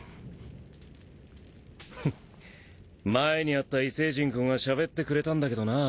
侫叩前に会った異星人君はしゃべってくれたんだけどなぁ。